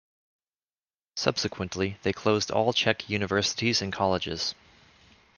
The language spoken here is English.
Subsequently, they closed all Czech universities and colleges.